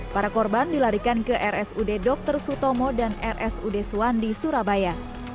para korban dilarikan ke rsud dr sutomo dan rsud suwandi surabaya